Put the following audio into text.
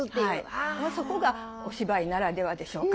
そこがお芝居ならではでしょうか。